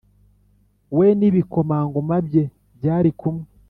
we n’ibikomangoma bye bari kumwe.